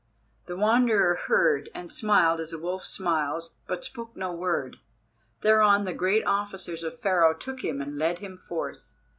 The Wanderer heard, and smiled as a wolf smiles, but spoke no word. Thereon the great officers of Pharaoh took him and led him forth.